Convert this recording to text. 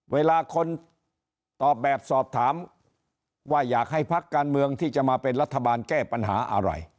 เวลาคนตอบแบบสอบถามว่าอยากให้พักการเมืองที่จะมาเป็นรัฐบาลแก้ปัญหาอะไร